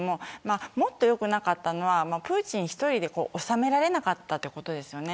もっと良くなかったのはプーチン１人で収められなかったことです。